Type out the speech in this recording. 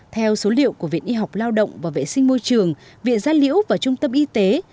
theo số liệu của viện y học lao động và vệ sinh môi trường viện gia liễu và trung tâm y tế